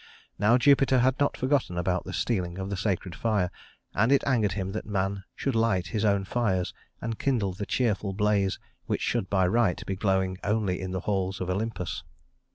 Now Jupiter had not forgotten about the stealing of the sacred fire, and it angered him that man should light his own fires and kindle the cheerful blaze which should by right be glowing only in the halls of Olympus.